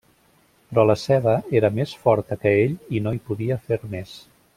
Però la ceba era més forta que ell i no hi podia fer més.